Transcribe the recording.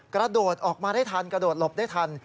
กระโดดออกมาได้ทันกระโดดหลบได้ทัน